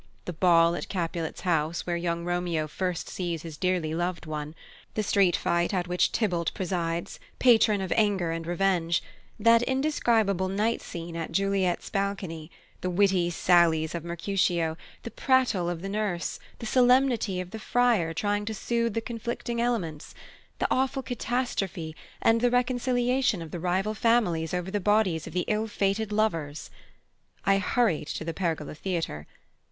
The ball at Capulet's house, where young Romeo first sees his dearly loved one; the street fight at which Tybalt presides, patron of anger and revenge; that indescribable night scene at Juliet's balcony; the witty sallies of Mercutio; the prattle of the Nurse; the solemnity of the Friar trying to soothe the conflicting elements; the awful catastrophe; and the reconciliation of the rival families over the bodies of the ill fated lovers. I hurried to the Pergola Theatre.